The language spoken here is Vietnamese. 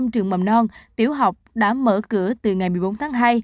một trăm trường mầm non tiểu học đã mở cửa từ ngày một mươi bốn tháng hai